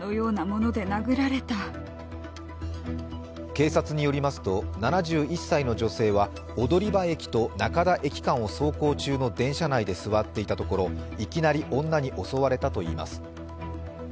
警察によりますと、７１歳の女性は踊場駅から中田駅間を走行中の電車内で座っていたところいきなり女に襲われたということです。